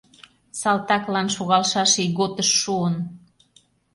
Салтаклан шогалшаш ийготыш шуын.